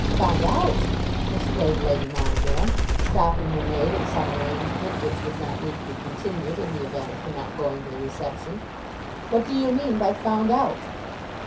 "Found out!" exclaimed Lady Monogram, stopping her maid in some arrangement which would not need to be continued in the event of her not going to the reception. "What do you mean by found out?"